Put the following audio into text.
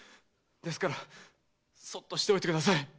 ですからそっとしておいてください。